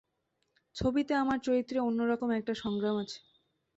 ছবিতে আমার চরিত্রের অন্য রকম একটা সংগ্রাম আছে।